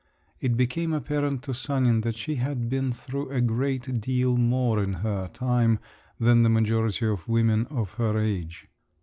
It became apparent to Sanin that she had been through a great deal more in her time than the majority of women of her age.